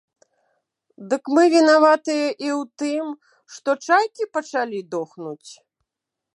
Дык мы вінаватыя і ў тым, што чайкі пачалі дохнуць?